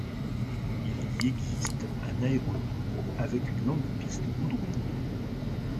Il y existe un aérodrome avec une longue piste goudronnée.